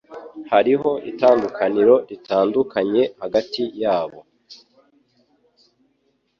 Hariho itandukaniro ritandukanye hagati yabo.